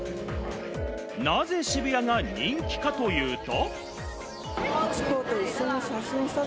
なぜ渋谷が人気かというと。